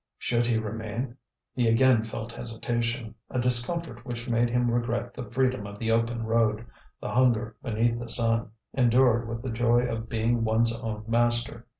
Should he remain? He again felt hesitation, a discomfort which made him regret the freedom of the open road, the hunger beneath the sun, endured with the joy of being one's own master.